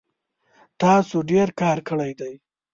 تاسو ډیر کار کړی دی